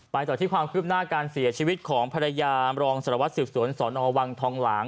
ไปต่อที่ความคืบหน้าการเสียชีวิตของพระยามรองสรวจศิรษฐวรสอนอวังทองหลัง